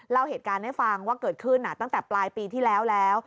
เล่าเหตุการณ์ให้ฟังว่าเกิดขึ้นตั้งแต่ปลายปีที่แล้วแล้ว